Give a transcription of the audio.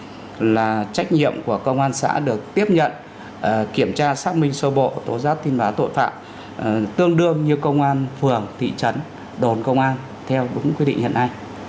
xác định là trách nhiệm của công an xã được tiếp nhận kiểm tra xác minh sơ bộ tố giác tin bá tội phạm tương đương như công an phường thị trấn đồn công an theo quy định hiện nay